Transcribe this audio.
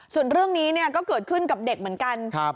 ส่วนเรื่องนี้ก็เกิดขึ้นกับเด็กเหมือนกัน